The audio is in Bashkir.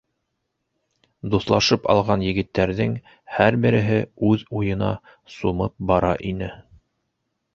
Дуҫлашып алған егеттәрҙең һәр береһе үҙ уйына сумып бара ине.